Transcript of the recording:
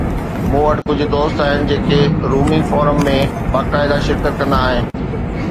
مون وٽ ڪجھ دوست آھن جيڪي رومي فورم ۾ باقاعده شرڪت ڪندا آھن.